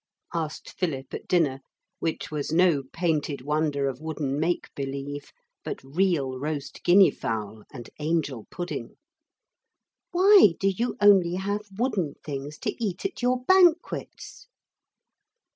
asked Philip at dinner, which was no painted wonder of wooden make believe, but real roast guinea fowl and angel pudding, 'Why do you only have wooden things to eat at your banquets?'